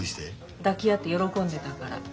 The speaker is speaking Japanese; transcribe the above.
抱き合って喜んでたから。